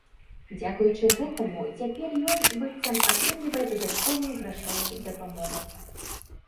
Дзякуючы гэтаму цяпер ён, быццам, атрымлівае дадатковую грашовую дапамогу.